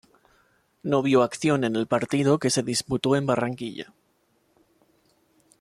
No vio acción en el partido que se disputó en Barranquilla.